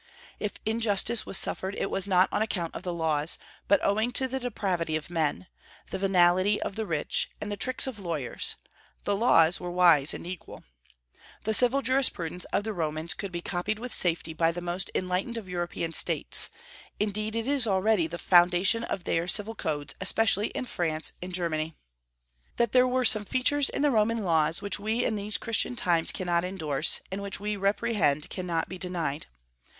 If injustice was suffered it was not on account of the laws, but owing to the depravity of men, the venality of the rich, and the tricks of lawyers; the laws were wise and equal. The civil jurisprudence of the Romans could be copied with safety by the most enlightened of European States; indeed, it is already the foundation of their civil codes, especially in France and Germany. That there were some features in the Roman laws which we in these Christian times cannot indorse, and which we reprehend, cannot be denied.